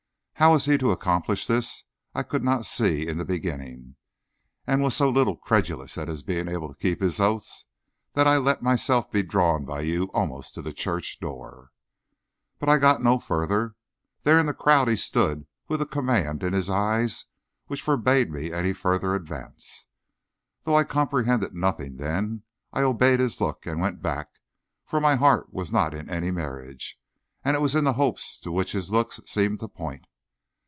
How he was to accomplish this I could not see in the beginning, and was so little credulous of his being able to keep his oaths that I let myself be drawn by you almost to the church door. But I got no further. There in the crowd he stood with a command in his eyes which forbade any further advance. Though I comprehended nothing then, I obeyed his look and went back, for my heart was not in any marriage, and it was in the hopes to which his looks seemed to point.